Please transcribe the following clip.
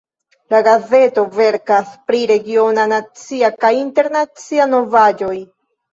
La gazeto verkas pri regiona, nacia kaj internacia novaĵoj.